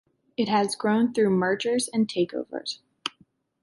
It has grown through mergers and takeovers.